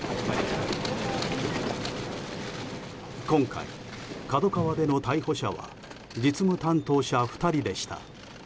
今回、ＫＡＤＯＫＡＷＡでの逮捕者は実務担当者２人でした。